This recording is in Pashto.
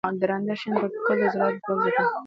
درانده شیان پورته کول د عضلاتو ځواک زیاتوي.